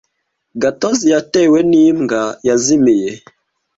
Gatozi yatewe n'imbwa yazimiye.